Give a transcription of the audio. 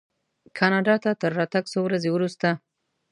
کاناډا ته تر راتګ څو ورځې وروسته.